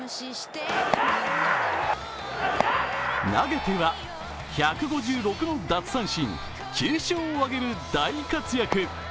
投げては１５６の奪三振、９勝を挙げる大活躍。